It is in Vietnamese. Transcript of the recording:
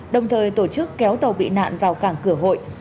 đồng thời tổ chức kéo tàu bị nạn vào cảng cửa hội